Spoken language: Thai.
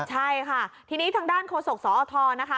ใช่ค่ะทีนี้ทางด้านโฆษกสอทนะคะ